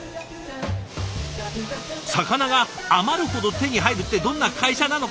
魚が余るほど手に入るってどんな会社なのか？